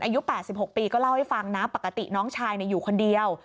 อายุ๘๖ปีก็เล่าให้ฟังนะปกติน้องชายอยู่คนเดียว